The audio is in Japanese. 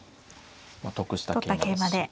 得した桂馬ですし。